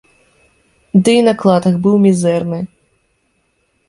Ды і наклад іх быў мізэрны.